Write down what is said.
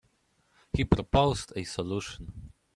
He proposed a solution.